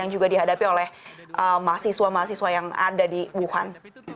yang juga dihadapi oleh mahasiswa mahasiswa yang ada di wuhan